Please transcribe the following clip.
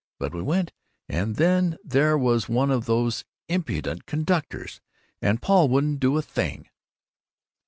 But we went, and then there was one of those impudent conductors, and Paul wouldn't do a thing.